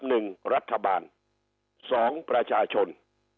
หนึ่งรัฐบาลสองประชาชน